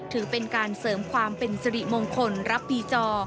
ถือเป็นการเสริมความเป็นสิริมงคลรับปีจอ